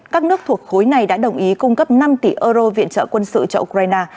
các nước thuộc khối này đã đồng ý cung cấp năm tỷ euro viện trợ quân sự cho ukraine